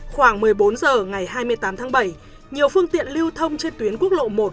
khoảng một mươi bốn h ngày hai mươi tám tháng bảy nhiều phương tiện lưu thông trên tuyến quốc lộ một